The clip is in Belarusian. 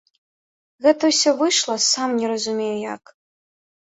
Гэта ўсё выйшла, сам не разумею як.